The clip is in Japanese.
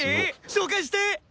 紹介して！